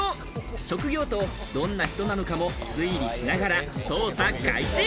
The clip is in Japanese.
職業とどんな人なのかも推理しながら捜査開始。